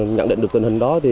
nhận định được tình hình đó